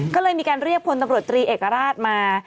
ก็เลยมีการเรียกพลตำรวจตรีเอกราชมา